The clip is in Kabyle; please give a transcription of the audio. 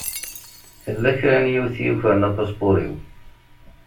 Tella kra n yiwet i yukren apaspuṛ-iw.